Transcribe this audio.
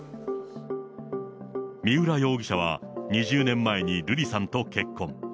三浦容疑者は２０年前に瑠麗さんと結婚。